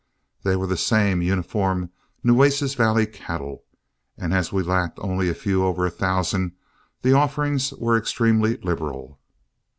They were the same uniform Nueces Valley cattle, and as we lacked only a few over a thousand, the offerings were extremely liberal.